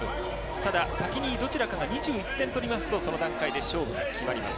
ただ、先にどちらかが２１点取りますとその時点で勝負が決まります。